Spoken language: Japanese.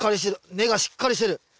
根がしっかりしてる。